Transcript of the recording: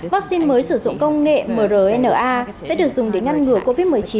vaccine mới sử dụng công nghệ mrna sẽ được dùng để ngăn ngừa covid một mươi chín